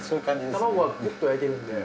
卵がぐっと焼いてるんで。